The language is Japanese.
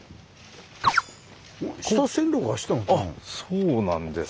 そうなんです。